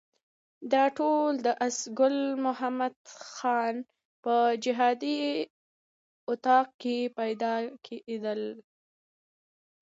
دا ټول د آس ګل محمد خان په جهادي اطاق کې پیدا کېدل.